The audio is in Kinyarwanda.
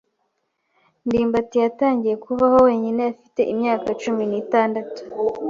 ndimbati yatangiye kubaho wenyine afite imyaka cumi n'itandatu.